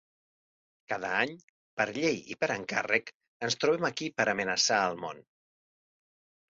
Cada any, per llei i per encàrrec, ens trobem aquí per amenaçar el món.